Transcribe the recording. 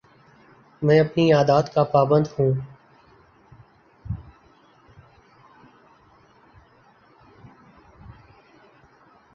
میں اپنی عادات کا پابند ہوں